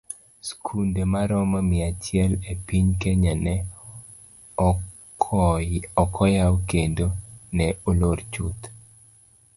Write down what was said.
Skunde maromo mia achiel e piny kenya ne okoyaw kendo ne olor chuth.